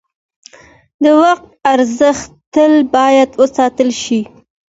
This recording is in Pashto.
د وخت ارزښت تل باید وساتل شي.